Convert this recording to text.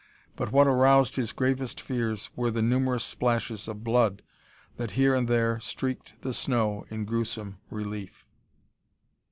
But what aroused his gravest fears were the numerous splashes of blood that here and there streaked the snow in gruesome relief.